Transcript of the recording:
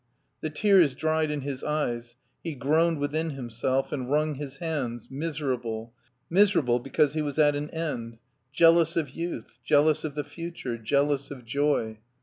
The tears dried in his eyes, he groaned within him self and wrung his hands, miserable, miserable because he was at an end, jealous of youth, j^lous of the future, jealous of joy.